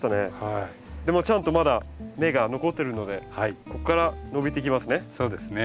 でもちゃんとまだ芽が残ってるのでここから伸びていきますね。